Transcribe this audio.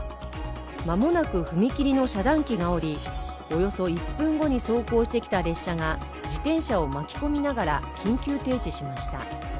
間もなく踏切の遮断機が下り、およそ１分後に走行してきた列車が自転車を巻き込みながら緊急停止しました。